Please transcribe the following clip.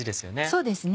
そうですね。